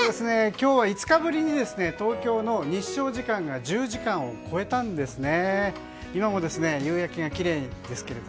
今日は５日ぶりに東京の日照時間が１０時間を超えたんですね。